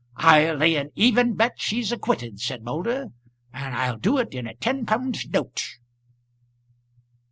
"I'll lay an even bet she's acquitted," said Moulder. "And I'll do it in a ten p'und note."